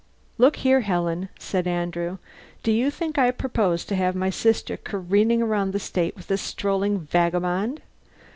"Look here, Helen," said Andrew, "do you think I propose to have my sister careering around the State with a strolling vagabond?